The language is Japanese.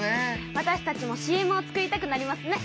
わたしたちもＣＭを作りたくなりますね。